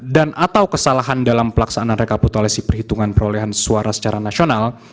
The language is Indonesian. dan atau kesalahan dalam pelaksanaan rekapitulasi perhitungan perolehan suara secara nasional